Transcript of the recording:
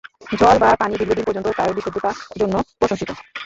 জল বা পানি দীর্ঘদিন পর্যন্ত তার বিশুদ্ধতা জন্য প্রশংসিত।